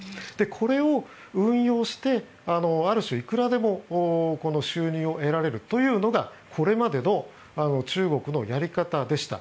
これを運用してある種、いくらでも収入を得られるというのがこれまでの中国のやり方でした。